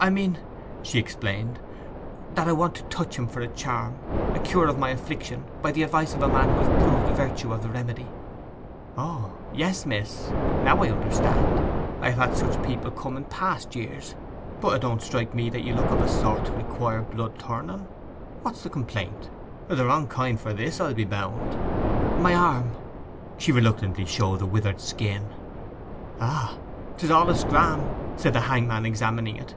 'I mean,' she explained, 'that I want to touch him for a charm, a cure of an affliction, by the advice of a man who has proved the virtue of the remedy.' 'O yes, miss! Now I understand. I've had such people come in past years. But it didn't strike me that you looked of a sort to require blood turning. What's the complaint? The wrong kind for this, I'll be bound.' 'My arm.' She reluctantly showed the withered skin. 'Ah—'tis all a scram!' said the hangman, examining it.